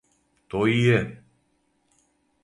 То и је.